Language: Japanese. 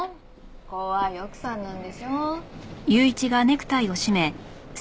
怖い奥さんなんでしょ？